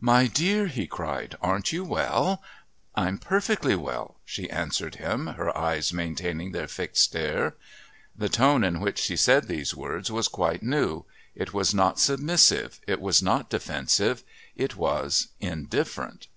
"My dear!" he cried. "Aren't you well?" "I'm perfectly well," she answered him, her eyes maintaining their fixed stare. The tone in which she said these words was quite new it was not submissive, it was not defensive, it was indifferent.